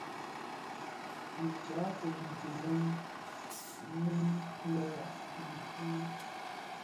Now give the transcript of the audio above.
Më tyako kileň min lè di dhikuu.